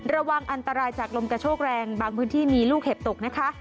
ระวังอันตรายจากลมกระโชกแรงบางพื้นที่มีลูกเห็บตกนะคะ